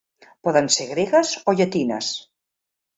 Poden ser gregues o llatines.